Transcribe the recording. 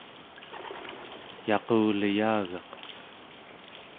yaquleyagaq